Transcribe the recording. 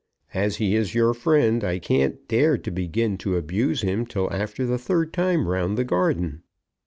As he is your friend, I can't dare to begin to abuse him till after the third time round the garden."